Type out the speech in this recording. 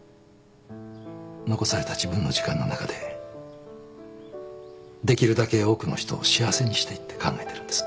残された自分の時間の中でできるだけ多くの人を幸せにしたいって考えてるんです。